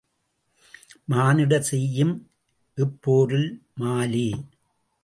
மானிடர் செய்யும் இப்போரில் மாலே!